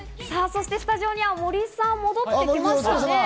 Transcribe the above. そしてスタジオには森さん、戻ってきましたね。